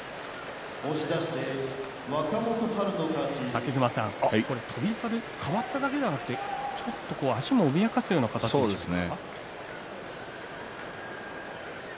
武隈さん、翔猿変わっただけじゃなくちょっと足を脅かすような形ですか？